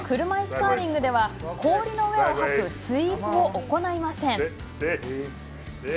車いすカーリングでは氷の上を掃くスイープを行いません。